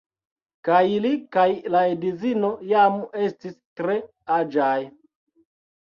Kaj li kaj la edzino jam estis tre aĝaj.